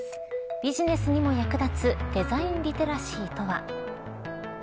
ビジネスにも役立つデザインリテラシーとは。